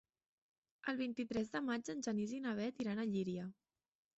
El vint-i-tres de maig en Genís i na Bet iran a Llíria.